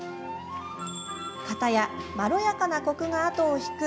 かたや、まろやかなコクが後を引く